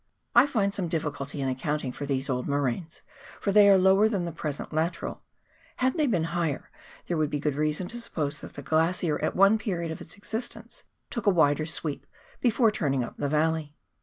I find some difficulty in accounting for these old moraines, for they are lower than the present lateral ; had they been higher there would be good reason to suppose that the glacier at one period of its existence took a wider sweep before turning up the valley.